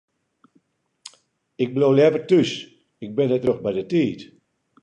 Ik bliuw leaver thús, ik bin net rjocht by de tiid.